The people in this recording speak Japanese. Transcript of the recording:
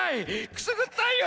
くすぐったいよ！